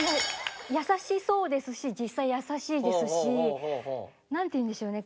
優しそうですし実際優しいですしなんていうんでしょうね